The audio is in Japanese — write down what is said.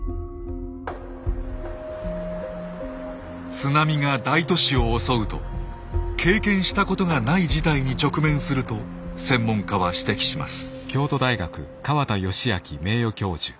津波が大都市を襲うと経験したことがない事態に直面すると専門家は指摘します。